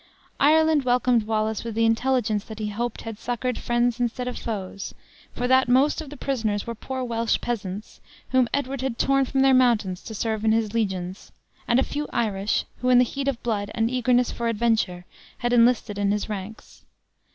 Ireland welcomed Wallace with the intelligence that he hoped he had succored friends instead of foes, for that most of the prisoners were poor Welsh peasants, whom Edward had torn from their mountains to serve in his legions; and a few Irish, who in the heat of blood, and eagerness for adventure, had enlisted in his ranks.